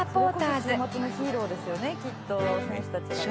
「それこそ週末のヒーローですよねきっと選手たちがね」